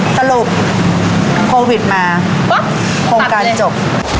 สรุปโควิดมาปุ๊บโครงการจบ